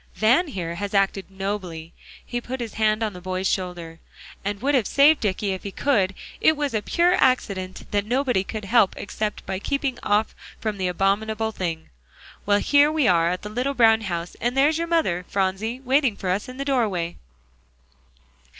"Van, here, has acted nobly" he put his hand on the boy's shoulder "and would have saved Dicky if he could. It was a pure accident that nobody could help except by keeping off from the abominable thing. Well, here we are at the little brown house; and there's your mother, Phronsie, waiting for us in the doorway."